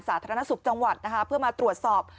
สาธารณสุขจังหวัดนะคะเพื่อมาตรวจสอบ